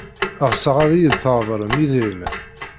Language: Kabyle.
Ɣseɣ ad iyi-d-treḍlem idrimen.